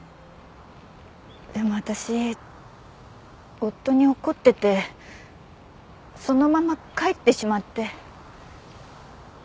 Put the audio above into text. でも私夫に怒っててそのまま帰ってしまって。